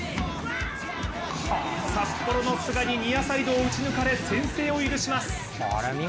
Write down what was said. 札幌の菅にニアサイドを打ち抜かれ先制を許します。